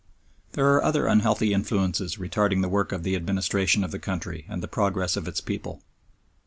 There are other unhealthy influences retarding the work of the administration of the country and the progress of its people.